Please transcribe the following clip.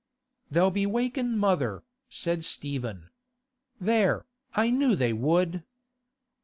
'They'll be wakin' mother,' said Stephen. 'There, I knew they would.